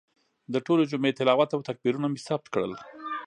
د ټولې جمعې تلاوت او تکبیرونه مې ثبت کړل.